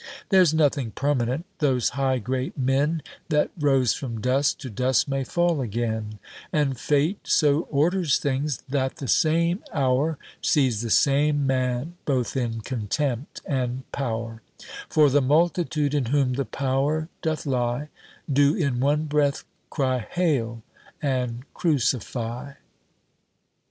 There's nothing permanent: those high great men, That rose from dust, to dust may fall again; And fate so orders things, that the same hour Sees the same man both in contempt and power; For the multitude, in whom the power doth lie, Do in one breath cry Hail! and _Crucify!